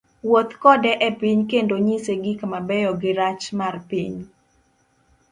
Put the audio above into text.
Wuoth kode epiny kendo nyise gik mabeyo girach mar piny.